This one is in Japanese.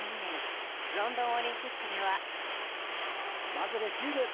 まずレシーブ。